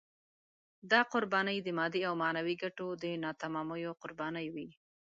دا قربانۍ د مادي او معنوي ګټو د ناتمامیو قربانۍ وې.